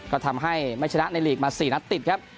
ก็ทำให้ไม่ชนะในลีกมา๔นัดติดครับ